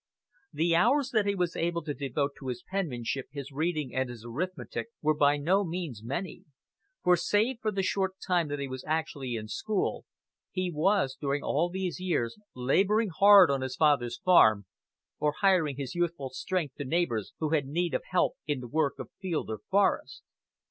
The hours that he was able to devote to his penmanship, his reading, and his arithmetic were by no means many; for, save for the short time that he was actually in school, he was, during all these years, laboring hard on his father's farm, or hiring his youthful strength to neighbors who had need of help in the work of field or forest.